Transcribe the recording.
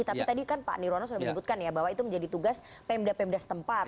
tapi tadi kan pak nirwana sudah menyebutkan ya bahwa itu menjadi tugas pemda pemda setempat